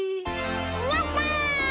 やった！